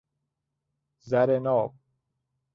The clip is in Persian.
زر ناب